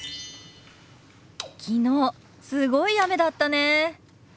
昨日すごい雨だったね。